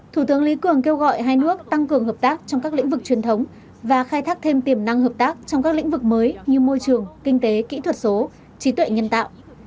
thủ tướng lý cường kêu gọi hai nước tăng cường hợp tác trong các lĩnh vực truyền thống và khai thác thêm tiềm năng hợp tác trong các lĩnh vực mới như môi trường kinh tế kỹ thuật số trí tuệ nhân tạo